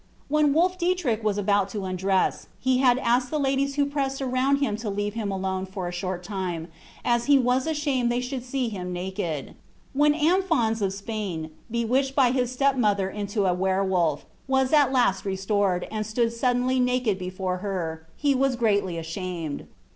When Wolfdieterich was about to undress, he had to ask the ladies who pressed around him to leave him alone for a short time, as he was ashamed they should see him naked. When Amphons of Spain, bewitched by his step mother into a were wolf, was at last restored, and stood suddenly naked before her, he was greatly ashamed.